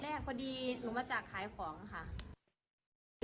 พอดีหนูมาจากขายของค่ะ